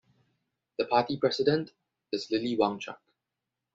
The party president is Lily Wangchuck.